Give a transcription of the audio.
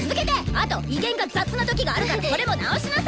あと移弦が雑な時があるからそれも直しなさい！